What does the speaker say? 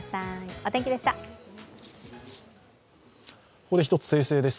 ここで１つ訂正です。